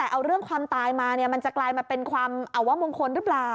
เอาเรื่องความตายมามันจะกลายมาเป็นความอวะมงคลหรือเปล่า